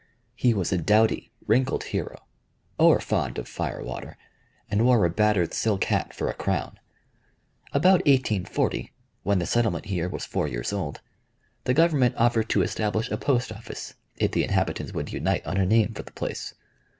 He was a doughty, wrinkled hero, o'er fond of fire water, and wore a battered silk hat for a crown. About 1840, when the settlement here was four years old, the Government offered to establish a post office if the inhabitants would unite on a name for the place.